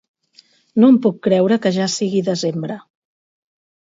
No em puc creure que ja sigui desembre.